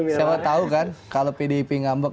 siapa tahu kan kalau pdip ngambek